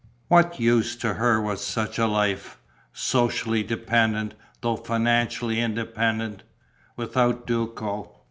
What use to her was such a life socially dependent, though financially independent without Duco?